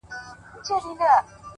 نظم د بریالۍ هڅې ساتونکی دی’